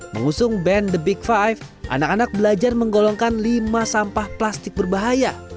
mengusung band the big five anak anak belajar menggolongkan lima sampah plastik berbahaya